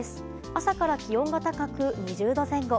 朝から気温が高く、２０度前後。